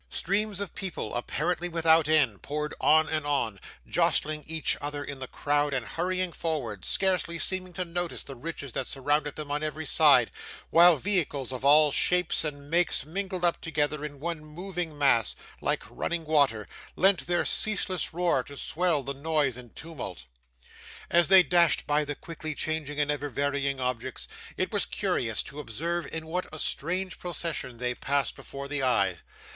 Streams of people apparently without end poured on and on, jostling each other in the crowd and hurrying forward, scarcely seeming to notice the riches that surrounded them on every side; while vehicles of all shapes and makes, mingled up together in one moving mass, like running water, lent their ceaseless roar to swell the noise and tumult. As they dashed by the quickly changing and ever varying objects, it was curious to observe in what a strange procession they passed before the eye.